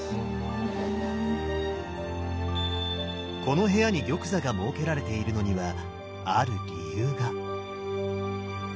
この部屋に玉座が設けられているのにはある理由が。